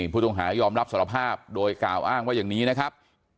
ผู้ต้องหายอมรับสารภาพโดยกล่าวอ้างว่าอย่างนี้นะครับ